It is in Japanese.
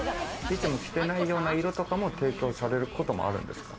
いつも着ないような色とかも提供されることもあるんですか？